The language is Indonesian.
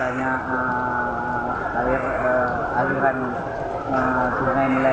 itu akan termelaka supaya dengan terjadi hal hal yang berlaku